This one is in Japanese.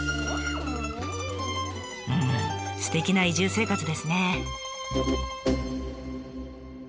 うんすてきな移住生活ですね。